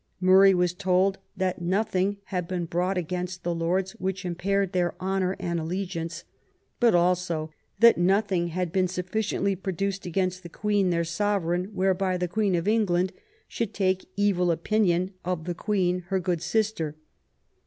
Murray was told that nothing had been brought against the Lords which impaired their honour and allegiance *'; but also that nothing "had been suffi ciently produced against the Queen, their Sovereign, whereby the Queen of England should take evil opinion of the Queen, her good sister".